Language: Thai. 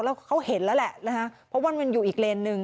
แล้วเขาเห็นแล้วแหละนะฮะเพราะว่ามันอยู่อีกเลนหนึ่ง